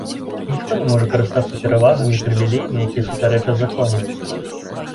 Ніхто не можа карыстацца перавагамі і прывілеямі, якія супярэчаць закону.